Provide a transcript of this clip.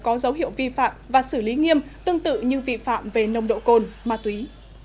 có dấu hiệu vi phạm và xử lý nghiêm tương tự như vi phạm về nồng độ cồn ma túy